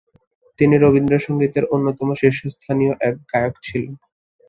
তিনি রবীন্দ্রসঙ্গীতের অন্যতম শীর্ষস্থানীয় এক গায়ক ছিলেন।